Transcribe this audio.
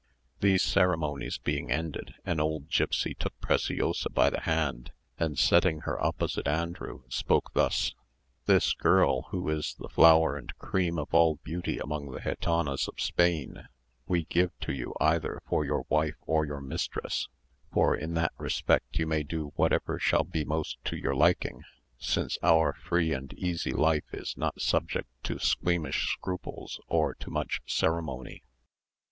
These ceremonies being ended, an old gipsy took Preciosa by the hand, and setting her opposite Andrew, spoke thus: "This girl, who is the flower and cream of all beauty among the gitanas of Spain, we give to you either for your wife or your mistress, for in that respect you may do whatever shall be most to your liking, since our free and easy life is not subject to squeamish scruples or to much ceremony.